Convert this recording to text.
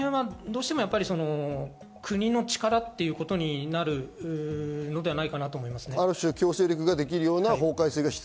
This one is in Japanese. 国の力ということになるのではないかと思います。